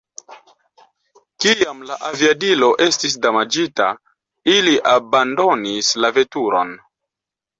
Kiam la aviadilo estis damaĝita, ili abandonis la veturon.